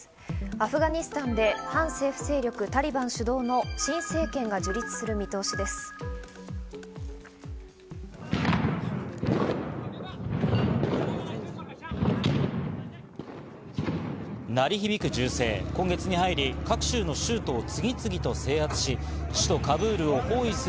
アフガニスタンで反政府勢力タリバン主導の新政権が樹立する見通しです。